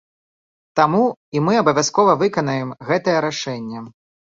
Таму і мы абавязкова выканаем гэтае рашэнне.